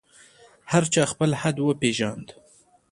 هر چا خپل حد وپېژاند.